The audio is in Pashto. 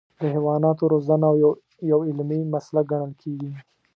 د حیواناتو روزنه یو علمي مسلک ګڼل کېږي.